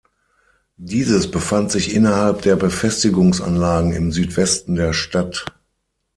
Dieses befand sich innerhalb der Befestigungsanlagen im Südwesten der Stadt.